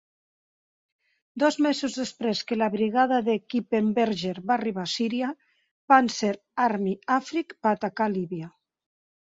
Dos mesos després que la brigada de Kippenberger va arribar a Síria, Panzer Army Afrik va atacar Líbia.